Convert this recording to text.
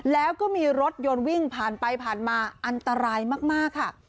แล้วก็มีรถยนต์วิ่งผ่านไปผ่านมาอันตรายมากค่ะ